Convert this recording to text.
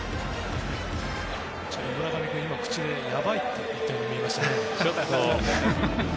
村上君、今やばいって言ったように見えましたね。